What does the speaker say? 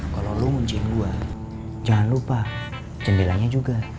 kalo lu ngunciin gue jangan lupa jendelanya juga